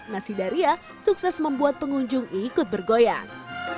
nasidaria sukses membuat pengunjung ikut bergoyang